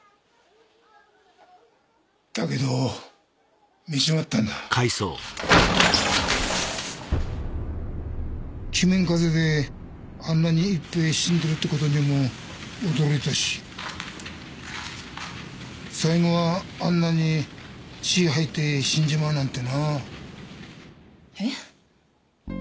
だけど見ちまったんだ鬼面風邪であんなにいっぺぇ死んでるってことにも驚いたし最期はあんなに血吐いて死んじまうなんてなえっ？